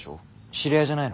知り合いじゃないの？